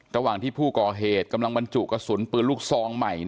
ระหว่างที่ผู้ก่อเหตุกำลังบรรจุกระสุนปืนลูกซองใหม่